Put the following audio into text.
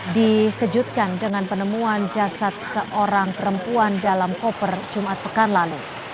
dikejutkan dengan penemuan jasad seorang perempuan dalam koper jumat pekan lalu